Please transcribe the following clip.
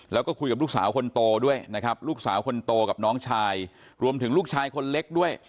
แล้วก็คุยกับลูกสาวคนโตด้วยนะครับลูกสาวคนโตกับน้องชายรวมถึงลูกชายคนเล็กด้วย